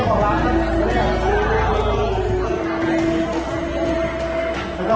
ขอบคุณครับ